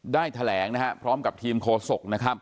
ได้แถลงพร้อมกับทีมโฆษก